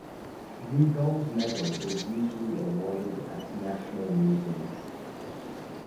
The gold medal is usually awarded at national meetings.